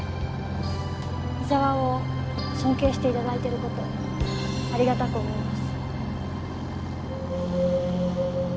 伊沢を尊敬して頂いている事ありがたく思います。